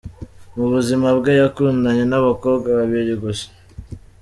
Mu buzima bwe yakundanye n’abakobwa babiri gusa.